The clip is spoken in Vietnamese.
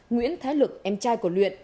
nguyễn thái lực em trai của luyện